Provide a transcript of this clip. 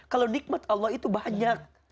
kalau nikmat allah itu banyak